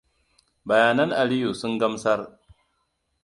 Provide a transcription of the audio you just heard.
Bayanan Aliyu sun gamsar.